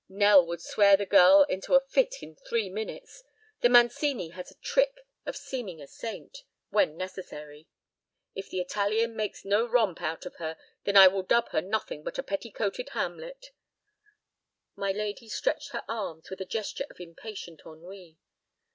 Nell would swear the girl into a fit in three minutes. The Mancini has a trick of seeming a saint—when necessary. If the Italian makes no romp out of her, then I will dub her nothing but a petticoated Hamlet." My lady stretched her arms with a gesture of impatient ennui.